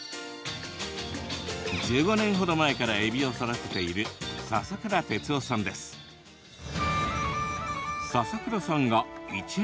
１５年ほど前からえびを育てている佐々倉鐡夫さんです。